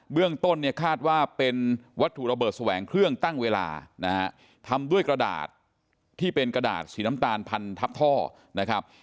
เรื่องต้นเนี่ยคาดว่าเป็นวัตถุระเบิดแสวงเครื่องตั้งเวลานะฮะทำด้วยกระดาษที่เป็นกระดาษสีน้ำตาลพันทับท่อนะครับ